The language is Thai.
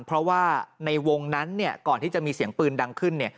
เพราะว่าในวงนั้นก่อนที่จะมีเสียงปืนดังขึ้น